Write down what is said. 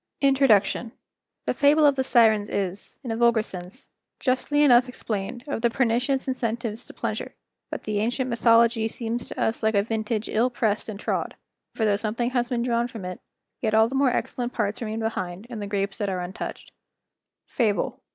INTRODUCTION.—The fable of the Sirens is, in a vulgar sense, justly enough explained of the pernicious incentives to pleasure; but the ancient mythology seems to us like a vintage ill pressed and trod; for though something has been drawn from it, yet all the more excellent parts remain behind in the grapes that are untouched. FABLE.